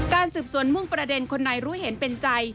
การสืบสวนมุ่งประเด็นคนไหนรู้เห็นเป็นใจ